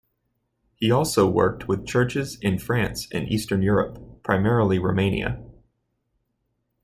He also worked with churches in France and Eastern Europe, primarily Romania.